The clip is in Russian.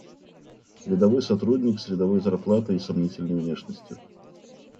Рядовой сотрудник с рядовой зарплатой и сомнительной внешностью.